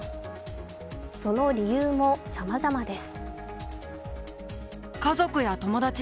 その理由もさまざまです。